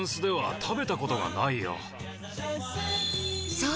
そう。